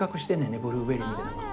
ブルーベリーみたいなものを。